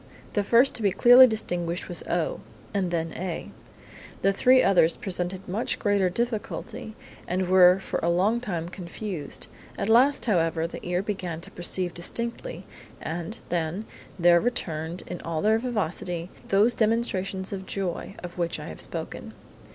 The first to be clearly distinguished was O, and then followed A. The three others presented much greater difficulty, and were for a long time confused. At last, however, the ear began to perceive distinctly, and, then, there returned in all their vivacity, those demonstrations of joy of which I have spoken.